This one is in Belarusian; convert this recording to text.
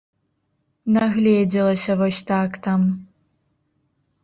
Нагледзелася вось так там.